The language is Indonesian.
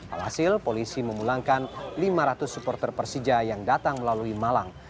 alhasil polisi memulangkan lima ratus supporter persija yang datang melalui malang